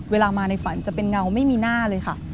เวลามาในฝันจะเป็นเงาไม่มีหน้าเลยค่ะ